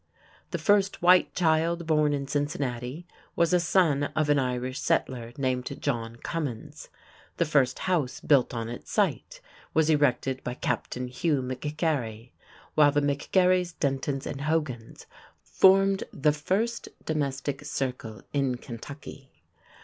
The first white child born in Cincinnati was a son of an Irish settler named John Cummins; the first house built on its site was erected by Captain Hugh McGarry, while "the McGarrys, Dentons, and Hogans formed the first domestic circle in Kentucky."